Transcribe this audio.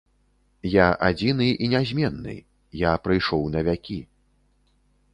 Я адзіны і нязменны, я прыйшоў на вякі.